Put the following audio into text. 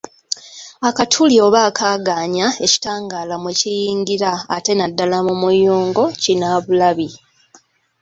Akatuli oba akaaganya ekitangaala mwe kiyingira ate naddala mu muyungo kinnabulabi.